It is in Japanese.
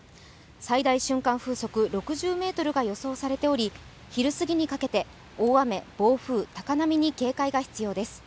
最大瞬間風速６０メートルが予想されており昼すぎにかけて大雨、暴風、高波に警戒が必要です。